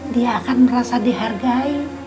dia akan merasa dihargai